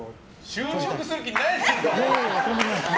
就職する気ないじゃん！